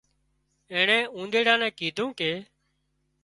اينڻي اونۮاڙا نين ڪيڌون ڪي